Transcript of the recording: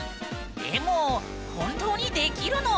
でも本当にできるの？